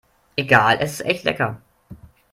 Egal, es ist echt lecker.